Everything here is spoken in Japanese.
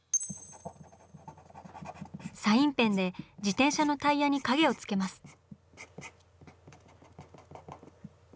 サインペンで自転車のタイヤに影をつけます。